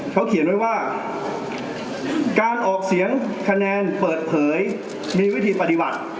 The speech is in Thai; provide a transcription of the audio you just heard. เขาเขียนไว้ว่าการออกเสียงคะแนนเปิดเผยมีวิธีปฏิบัติ